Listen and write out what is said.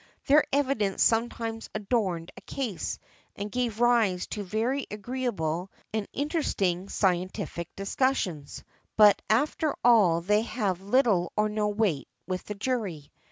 Their evidence sometimes adorned a case, and gave rise to very agreeable and interesting scientific discussions, but after all they have little or no weight with the jury.